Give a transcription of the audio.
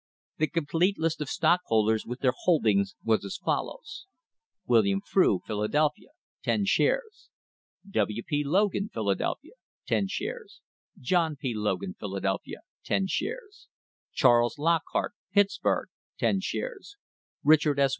The complete list of stockholders, with their holdings, was as follows : William Frew, Philadelphia 10 shares W. P. Logan, Philadelphia 10 " John P. Logan, Philadelphia 10 " Charles Lockhart, Pittsburg 10 " Richard S.